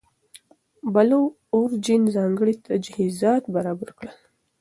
بلو اوریجن ځانګړي تجهیزات برابر کړل.